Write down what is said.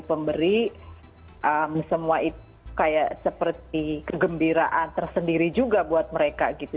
pemberi semua itu kayak seperti kegembiraan tersendiri juga buat mereka gitu